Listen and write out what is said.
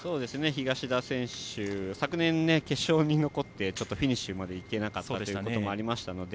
東田選手は昨年、決勝に残ってフィニッシュまで行けなかったこともあったので。